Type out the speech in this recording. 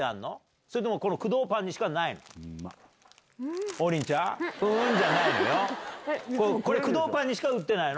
それとも、工藤パンにしか売ってないの？